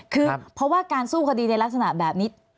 คือเพราะว่าการสู้คดีในลักษณะแบบนี้